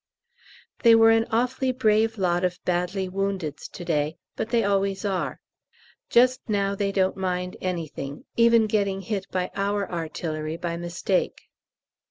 They were an awfully brave lot of badly woundeds to day, but they always are. Just now they don't mind anything even getting hit by our artillery by mistake.